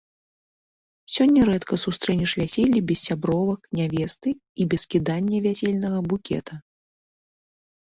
Сёння рэдка сустрэнеш вяселле без сябровак нявесты і без кідання вясельнага букета.